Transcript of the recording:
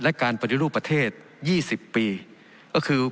และการประจัดรูปประเทศยี่สิบปีก็คือ